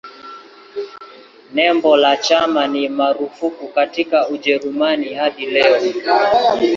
Nembo la chama ni marufuku katika Ujerumani hadi leo.